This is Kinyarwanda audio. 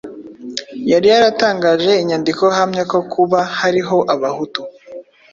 yari yaratangaje inyandiko ahamya ko kuba hariho Abahutu,